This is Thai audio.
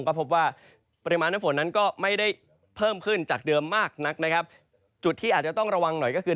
ก็พบว่าก็ไม่ได้เพิ่มขึ้นจากเดิมมากจุดที่อาจจะต้องระวังหน่อยก็คือ